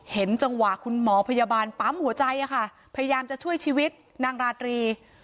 เห็นจังหวะคุณหมอพยาบาลปั๊มหัวใจอะค่ะพยายามจะช่วยชีวิตนางราตรี